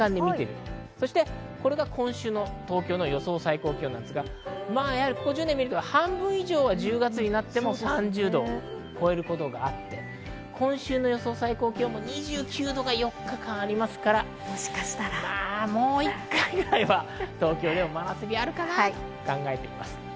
そしてこれが今週の東京の予想最高気温ですが、半分以上は１０月になっても３０度を超えることがあって、今週の予想最高気温２９度が４日間ありますから、もう１回ぐらいは東京でも真夏日あるかなと考えています。